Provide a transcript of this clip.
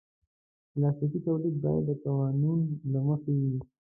پلاستيکي تولید باید د قانون له مخې وي.